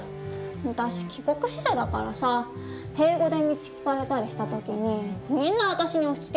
私帰国子女だからさ英語で道聞かれたりした時にみんな私に押しつけるんだよね。